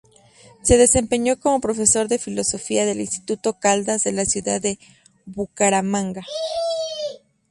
Se desempeñó como profesor de Filosofía del Instituto Caldas de la ciudad de Bucaramanga.